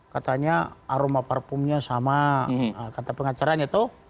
katanya aroma parfumnya sama kata pengacaranya toh